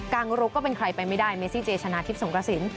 งรกก็เป็นใครไปไม่ได้เมซี่เจชนะทิพย์สงกระสิน